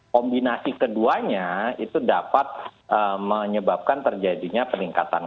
kombinasi keduanya itu dapat menyebabkan terjadinya peningkatan